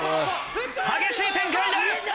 激しい展開になる！